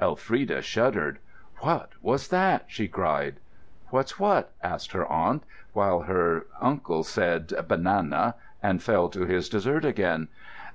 Elfrida shuddered. "What was that?" she cried. "What's what?" asked her aunt; while her uncle said "Banana," and fell to his dessert again.